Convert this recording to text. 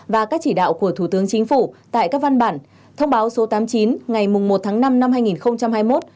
và các chỉ đạo của thủ tướng chính phủ tại các văn bản thông báo số tám mươi chín ngày một tháng năm năm hai nghìn hai mươi một